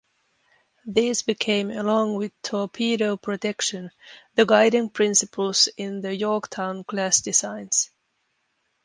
These became along with torpedo protection, the guiding principles in the "Yorktown" class designs.